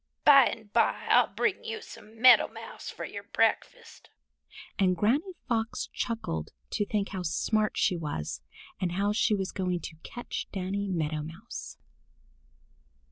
"By and by I'll bring you some Meadow Mouse for your breakfast," and Granny Fox chuckled to think how smart she was and how she was going to catch Danny Meadow Mouse.